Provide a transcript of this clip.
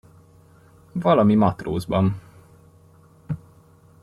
Valami matrózban.